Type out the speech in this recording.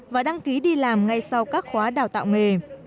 và đăng ký đi làm ngay sau các khóa đào tạo nghề